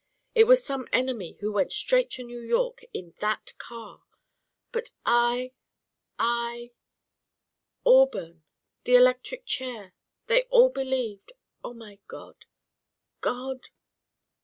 It was some enemy who went straight to New York in that car. But I I Auburn the electric chair they all believed Oh, my God! God!"